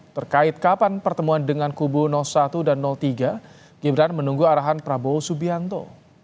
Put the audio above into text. terkait kapan pertemuan dengan kubu satu dan tiga gibran menunggu arahan prabowo subianto